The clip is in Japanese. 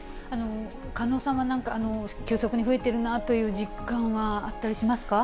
狩野さんは何か急速に増えてるなという実感はあったりしますか？